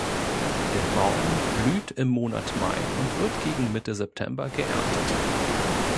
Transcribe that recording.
Der Baum blüht im Monat Mai und wird gegen Mitte September geerntet.